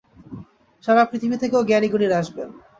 সারা পৃথিবী থেকে জ্ঞানীগুণীরা আসবেন।